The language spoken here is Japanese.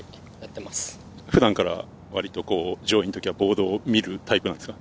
普段から上位のときはボードを見るタイプですか？